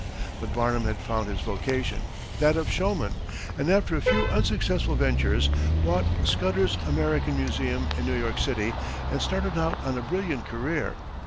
But Barnum had found his vocation, that of showman, and after a few unsuccessful ventures, bought Scudder's American Museum, in New York City, and started out on a brilliant career.